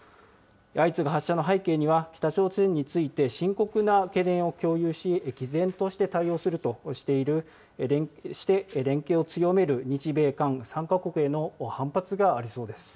相次ぐ発射の背景には、北朝鮮について深刻な懸念を共有し、毅然として対応するとして、連携を強める日米韓３か国への反発がありそうです。